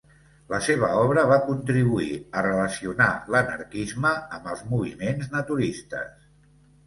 La seva obra va contribuir a relacionar l'anarquisme amb els moviments naturistes.